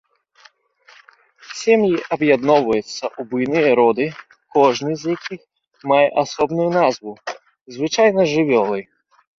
Сем'і аб'ядноўваюцца ў буйныя роды, кожны з якіх мае асобную назву, звычайна жывёлы.